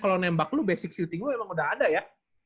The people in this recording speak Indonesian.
kalau nembak lo basic shooting lo emang udah ada ya